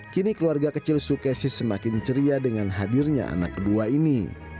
kini keluarga kecil sukesis semakin ceria dengan hadirnya anak kedua ini